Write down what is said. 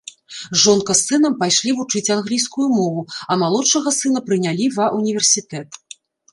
Жонка з сынам пайшлі вучыць англійскую мову, а малодшага сына прынялі ва ўніверсітэт.